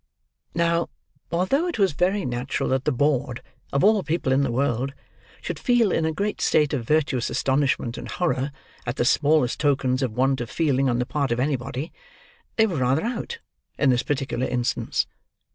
Now, although it was very natural that the board, of all people in the world, should feel in a great state of virtuous astonishment and horror at the smallest tokens of want of feeling on the part of anybody, they were rather out, in this particular instance.